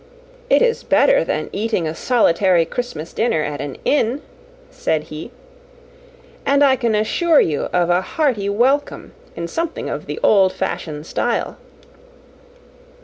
"It is better than eating a solitary Christmas dinner at an inn," said he; "and I can assure you of a hearty welcome in something of the old fashion style."